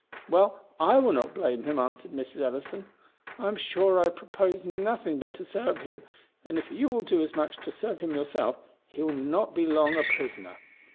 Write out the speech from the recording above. "Well, I will not blame him," answered Mrs. Ellison; "I am sure I propose nothing but to serve him; and if you will do as much to serve him yourself, he will not be long a prisoner."